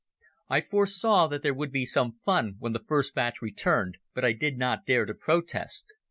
I foresaw that there would be some fun when the first batch returned, but I did not dare to protest.